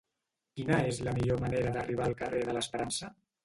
Quina és la millor manera d'arribar al carrer de l'Esperança?